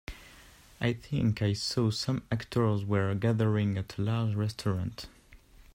I think I saw some actors were gathering at a large restaurant.